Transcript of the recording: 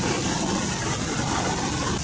kota yang terkenal dengan